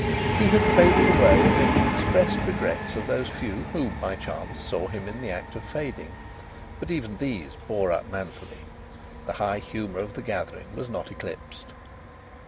He had faded away amid the expressed regrets of those few who by chance saw him in the act of fading. But even these bore up manfully. The high humour of the gathering was not eclipsed.